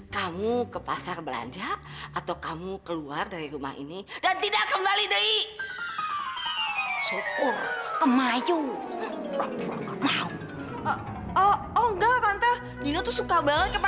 sampai jumpa di video selanjutnya